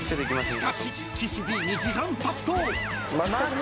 しかし岸Ｄに批判殺到。